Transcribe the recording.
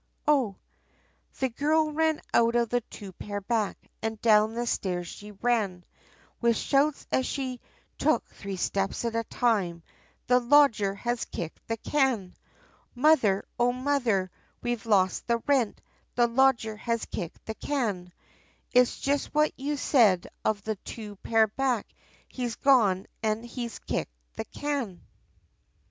Oh!" The girl ran out of the two pair back, and down the stairs she ran, With shouts, as she took three steps at a time, "The lodger has kicked the can! Mother, O mother, we've lost the rent, the lodger has kicked the can! It's just what you said of the two pair back, he's gone an he's kicked the can!"